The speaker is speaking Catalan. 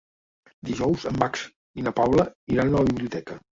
Dijous en Max i na Paula iran a la biblioteca.